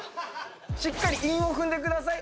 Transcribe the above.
しっかり韻を踏んでください